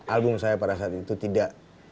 album saya pada saat itu tidak